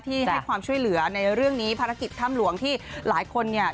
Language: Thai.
ให้ความช่วยเหลือในเรื่องนี้ภารกิจถ้ำหลวงที่หลายคนเนี่ย